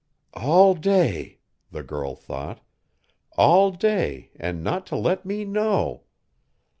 "All day!" the girl thought; "all day, and not to let me know!